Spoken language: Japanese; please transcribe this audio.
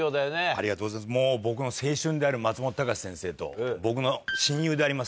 ありがとうございます僕の青春である松本隆先生と僕の親友であります